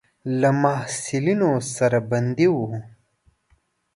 له محصلینو سره بندي وو.